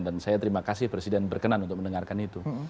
dan saya terima kasih presiden berkenan untuk mendengarkan itu